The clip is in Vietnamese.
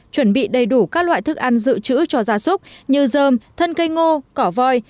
chuẩn bị đầy đủ các loại thức ăn dự trữ cho gia súc như dơm thân cây ngô cỏ voi